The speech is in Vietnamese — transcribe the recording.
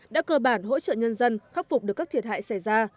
đã cơ bản hỗ trợ nhân dân khắc phục được các thiệt hại xảy ra